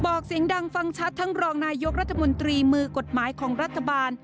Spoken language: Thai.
เสียงดังฟังชัดทั้งรองนายกรัฐมนตรีมือกฎหมายของรัฐบาล